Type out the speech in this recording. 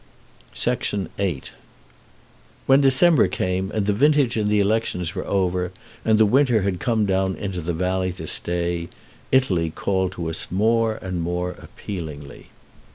VIII When December came, and the vintage and elections were over, and the winter had come down into the valley to stay, Italy called to us more and more appealingly.